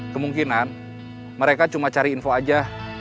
kemungkinan mereka cuma cari info aja